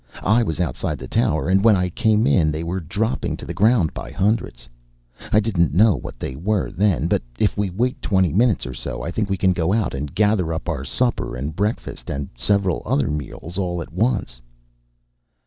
I was outside the tower, and when I came in they were dropping to the ground by hundreds. I didn't know what they were then, but if we wait twenty minutes or so I think we can go out and gather up our supper and breakfast and several other meals, all at once."